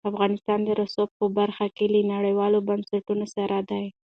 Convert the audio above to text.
افغانستان د رسوب په برخه کې له نړیوالو بنسټونو سره دی.